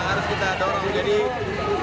harus kita dorong